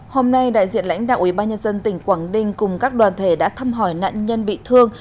hôm nay đại diện lãnh đạo ubnd tỉnh quảng ninh cùng các đoàn thể đã thăm hỏi nạn nhân bị thương